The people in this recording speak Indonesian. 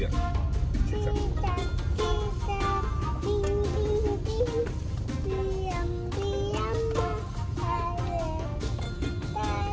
cicak cicak dicak di ding ding diam diam ayam